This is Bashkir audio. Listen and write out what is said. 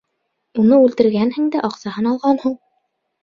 Уны үлтергәнһең дә аҡсаһын алғанһың!